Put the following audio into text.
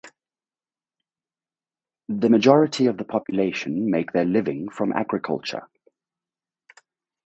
The majority of the population make their living from agriculture.